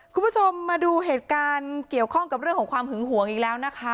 คุณผู้ชมมาดูเหตุการณ์เกี่ยวข้องกับเรื่องของความหึงหวงอีกแล้วนะคะ